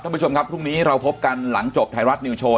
ท่านผู้ชมครับพรุ่งนี้เราพบกันหลังจบไทยรัฐนิวโชว